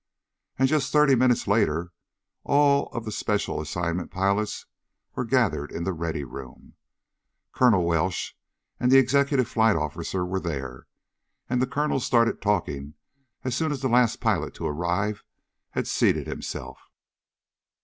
And just thirty minutes later all of the special assignment pilots were gathered in the Ready Room. Colonel Welsh and the executive flight officer were there, and the colonel started talking as soon as the last pilot to arrive had seated himself.